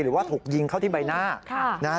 หรือว่าถูกยิงเข้าที่ใบหน้า